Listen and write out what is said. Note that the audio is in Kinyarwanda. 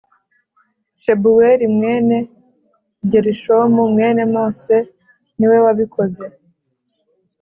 Shebuweli mwene Gerushomu mwene Mose ni we wabikoze